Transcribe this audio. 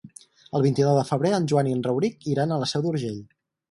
El vint-i-nou de febrer en Joan i en Rauric iran a la Seu d'Urgell.